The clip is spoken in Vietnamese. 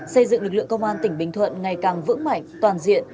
xây dựng lực lượng công an tỉnh bình thuận ngày càng vững mạnh toàn diện